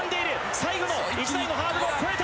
最後の１台のハードルを越えた。